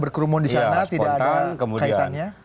berkerumun di sana tidak ada kaitannya